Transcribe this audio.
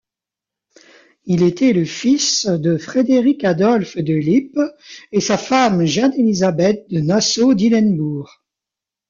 Il était le fils de Frédéric-Adolphe de Lippe et sa femme Jeanne-Élisabeth de Nassau-Dillenbourg.